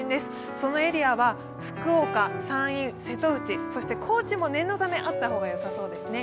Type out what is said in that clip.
そのエリアは福岡、山陰、瀬戸内、そして高知も念のためあった方がよさそうですね。